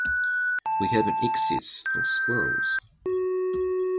We have an excess of squirrels.